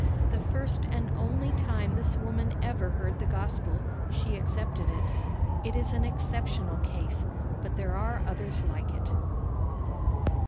The first and only time this woman ever heard the gospel, she accepted it. It is an exceptional case, but there are others like it."